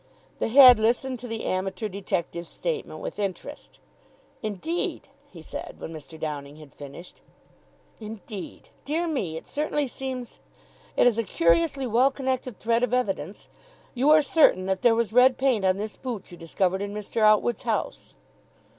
The Head listened to the amateur detective's statement with interest. "Indeed?" he said, when Mr. Downing had finished. "Indeed? Dear me! It certainly seems It is a curiously well connected thread of evidence. You are certain that there was red paint on this boot you discovered in Mr. Outwood's house?"